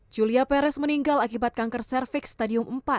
julia perez meninggal akibat kanker cervix stadium empat